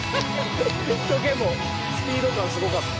ちょけもスピード感すごかった。